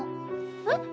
えっ？